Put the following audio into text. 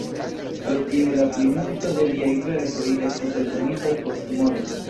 Pro tio la plimulto de liaj verkoj estis eldonitaj postmorte.